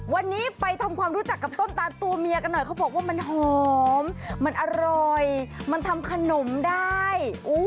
วันนี้ไปทำความรู้จักกับต้นตาตัวเมียกันหน่อยเขาบอกว่ามันหอมมันอร่อยมันทำขนมได้